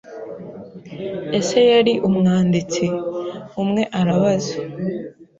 "Ese yari Umwanditsi?" umwe arabaza